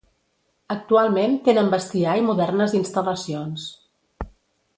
Actualment tenen bestiar i modernes instal·lacions.